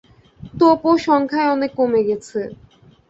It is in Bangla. তোপও সংখ্যায় অনেক কমে গেছে।